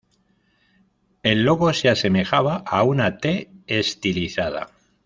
El logo se asemejaba a una T estilizada.